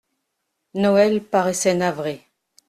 Noël paraissait navré.